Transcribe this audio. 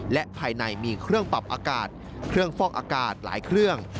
และภายในมีเครื่องปรับอากาศเครื่องฟอกอากาศหลายเครื่อง